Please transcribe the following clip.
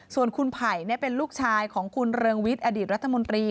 ส่วนคุณไผ่เป็นลูกชายของคุณเรืองวิทย์อดีตรัฐมนตรี